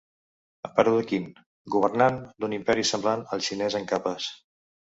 Emperador Qin: governant d"un imperi semblant al xinés en capes.